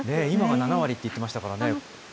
今は７割って言ってましたからね。